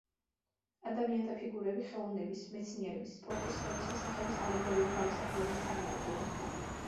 ადამიანთა ფიგურები ხელოვნების, მეცნიერების, სპორტის სხვადასხვა სახეობის ალეგორიულ გამოსახულებებს წარმოადგენენ.